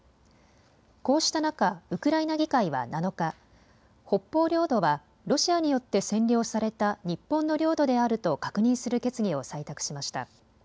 こうした中、ウクライナ議会は７日、北方領土はロシアによって占領された日本の領土であると確認する決議を採択しました。